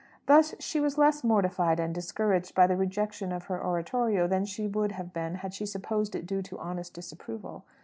Thus she was less mortified and discouraged by the rejection of her oratorio than she would have been had she supposed it due to honest disapproval.